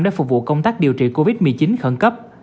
để phục vụ công tác điều trị covid một mươi chín khẩn cấp